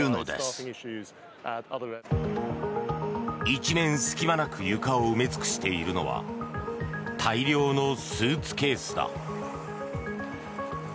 一面隙間なく床を埋め尽くしているのは大量のスーツケースだ。